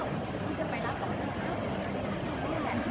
พี่แม่ที่เว้นได้รับความรู้สึกมากกว่า